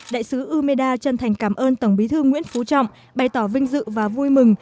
đại sứ umeda chân thành cảm ơn tổng bí thư nguyễn phú trọng bày tỏ vinh dự và vui mừng